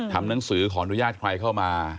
ทำหนังสือขออนุญาตใครเข้ามา